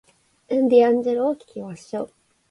ディアンジェロを聞きましょう